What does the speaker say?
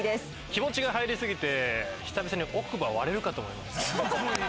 気持ちが入りすぎて久々に奥歯割れるかと思いました。